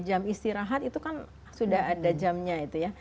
jam istirahat itu kan sudah ada jamnya itu ya